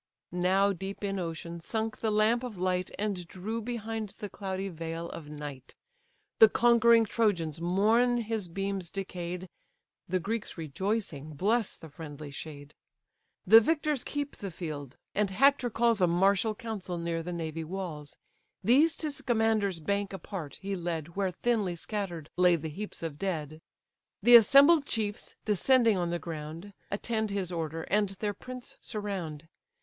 Now deep in ocean sunk the lamp of light, And drew behind the cloudy veil of night: The conquering Trojans mourn his beams decay'd; The Greeks rejoicing bless the friendly shade. The victors keep the field; and Hector calls A martial council near the navy walls; These to Scamander's bank apart he led, Where thinly scatter'd lay the heaps of dead. The assembled chiefs, descending on the ground, Attend his order, and their prince surround.